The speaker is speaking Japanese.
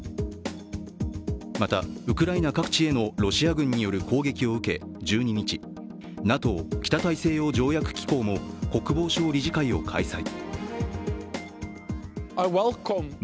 また、ウクライナ各地へのロシア軍による攻撃を受け１２日、ＮＡＴＯ＝北大西洋条約機構も国防相理事会を開催。